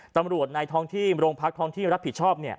ในท้องที่โรงพักท้องที่รับผิดชอบ